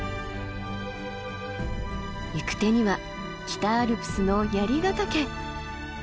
行く手には北アルプスの槍ヶ岳。